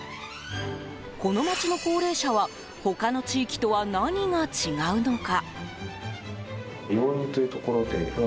この街の高齢者は他の地域とは何が違うのか。